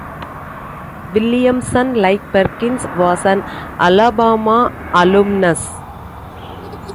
Williamson, like Perkins, was an Alabama alumnus.